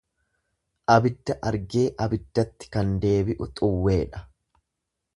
Abidda argee abiddatti kan deebi'u xuwweedha.